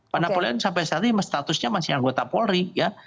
pak napoleon sampai saat ini statusnya masih anggota polri ya